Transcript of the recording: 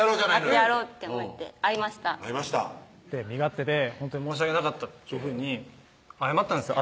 会ってやろうと思って会いました「身勝手でほんとに申し訳なかった」というふうに謝ったんですよ